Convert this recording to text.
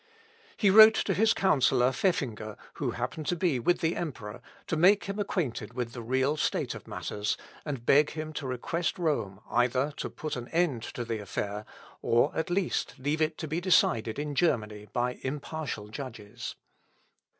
He wrote to his counsellor Pfeffinger, who happened to be with the Emperor, to make him acquainted with the real state of matters, and beg him to request Rome either to put an end to the affair, or at least leave it to be decided in Germany by impartial judges.